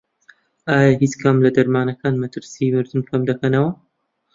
ئایا هیچ کام لە دەرمانەکان مەترسی مردن کەمدەکەنەوە؟